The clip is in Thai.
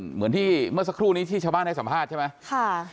เหมือนที่เมื่อสักครู่นี้ที่ชาวบ้านให้สัมภาษณ์ใช่ไหม